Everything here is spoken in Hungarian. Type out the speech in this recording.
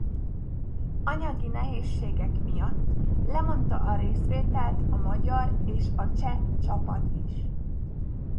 Anyagi nehézségek miatt lemondta a részvételt a magyar és a cseh csapat is.